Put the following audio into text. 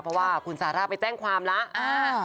เพราะว่าคุณซาร่าไปแจ้งความแล้ว